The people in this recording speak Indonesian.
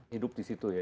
hidup di situ ya